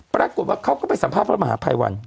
ปรากฏว่าเขาก็ไปสัมภาษณ์พระมหาภัยวัน